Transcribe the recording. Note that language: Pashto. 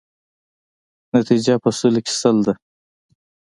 نتیجه په سلو کې سل ده.